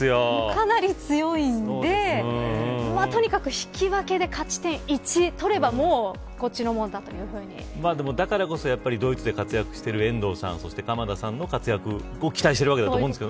かなり強いのでとにかく引き分けで勝ち点１取ればだからこそ、ドイツで活躍している遠藤さん鎌田さんの活躍を期待してると思います